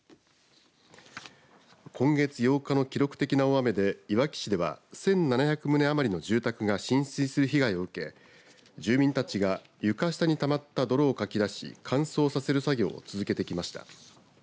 今月８日の記録的な大雨でいわき市では１７００棟余りの住宅が浸水する被害を受け住民たちが床下にたまった泥をかき出し乾燥させる作業を続けてきました。